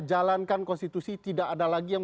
jalankan konstitusi tidak ada lagi yang